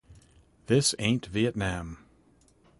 This ain't Vietnam.